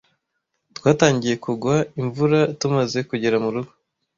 Twatangiye kugwa imvura tumaze kugera murugo.